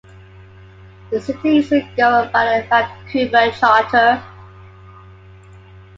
The city is governed by the Vancouver Charter.